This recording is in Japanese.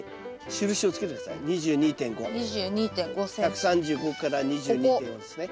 １３５から２２．５ですね。